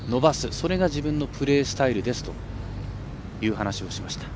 それが自分のプレースタイルですという話をしました。